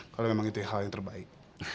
kalau memang itu hal yang terbaik